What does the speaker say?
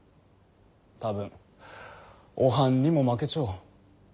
多分おはんにも負けちょ。